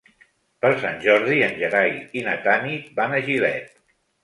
Per Sant Jordi en Gerai i na Tanit van a Gilet.